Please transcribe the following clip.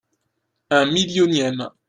Un millionième.